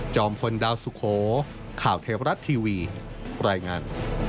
พลดาวสุโขข่าวเทวรัฐทีวีรายงาน